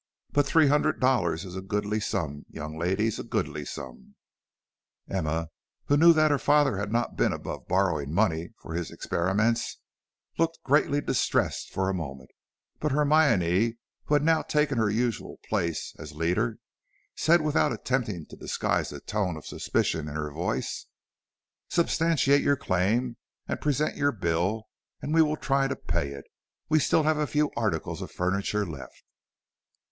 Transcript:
But three hundred dollars is a goodly sum, young ladies, a goodly sum." Emma, who knew that her father had not been above borrowing money for his experiments, looked greatly distressed for a moment, but Hermione, who had now taken her usual place as leader, said without attempting to disguise the tone of suspicion in her voice: "Substantiate your claim and present your bill and we will try to pay it. We have still a few articles of furniture left."